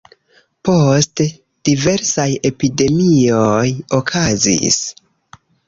Poste diversaj epidemioj okazis.